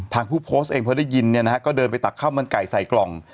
ผู้โพสต์เองพอได้ยินเนี่ยนะฮะก็เดินไปตักข้าวมันไก่ใส่กล่อง